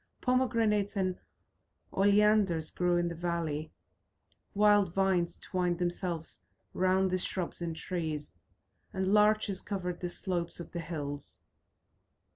Pomegranates and oleanders grew in the valley, wild vines twined themselves round the shrubs and trees, and larches covered the slopes of the hills.